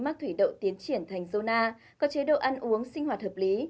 mắc thủy đậu tiến triển thành gona có chế độ ăn uống sinh hoạt hợp lý